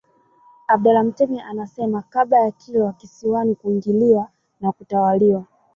Abdallah Mtemi anasema kabla ya Kilwa Kisiwani kuingiliwa na kutawaliwa